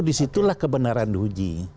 di situlah kebenaran di uji